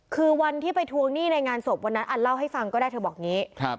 คือวันที่ไปทวงหนี้ในงานศพวันนั้นอันเล่าให้ฟังก็ได้เธอบอกอย่างนี้